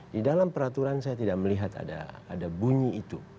di dalam peraturan saya tidak melihat ada bunyi itu